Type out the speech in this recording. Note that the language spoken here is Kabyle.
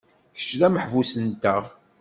Kečč d ameḥbus-nteɣ.